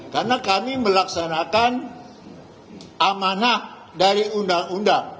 karena kami melaksanakan amanah dari undang undang